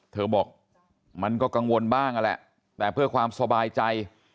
เธอบอกมันก็กังวลบ้างนั่นแหละแต่เพื่อความสบายใจ